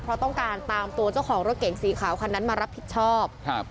เพราะต้องการตามตัวเจ้าของรถเก๋งสีขาวคันนั้นมารับผิดชอบครับ